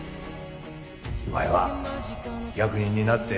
お前は役人になって